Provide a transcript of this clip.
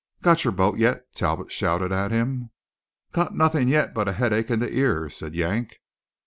"Got your boat yet?" Talbot shouted at him. "Got nothin' yet but a headache in the ears," said Yank.